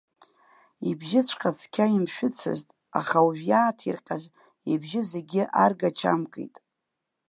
Ибжьыҵәҟьа цқьа имшәыцызт, аха уажә иааҭирҟьаз ибжьы зегь аргачамкит.